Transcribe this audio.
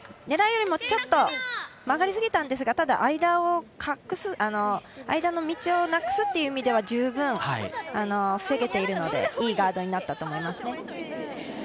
狙いよりも曲がりすぎたんですがただ間の道をなくすという意味では十分、防げているのでいいガードになったと思います。